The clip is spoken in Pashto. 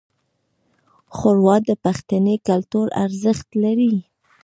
ښوروا د پښتني کلتور ارزښت لري.